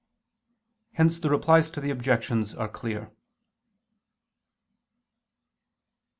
Hence the Replies to the Objections are clear.